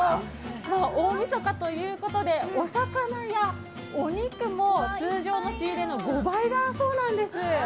大みそかということでお魚やお肉も通常の仕入れの５倍だそうです。